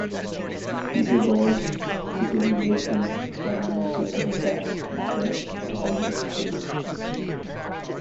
Peterbalds typically live in harmony with other cats and pets, and also with children.